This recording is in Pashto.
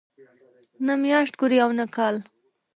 نه میاشت ګوري او نه کال.